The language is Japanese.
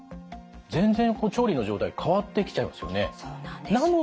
全然調理の状態変わってきちゃいますよね。